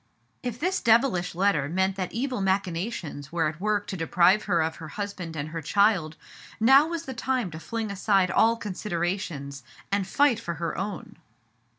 If this devilish letter meant that evil machinations were at work to deprive her of her husband and her child, now was the time to fling aside all considerations and fight for her own.